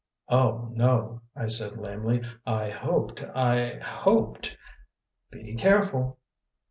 "Oh, no," I said lamely, "I hoped I hoped " "Be careful!"